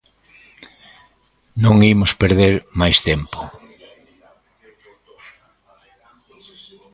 Non imos perder máis tempo.